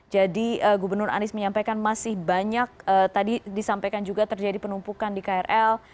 jadi gubernur anies menyampaikan masih banyak tadi disampaikan juga terjadi penumpukan di krl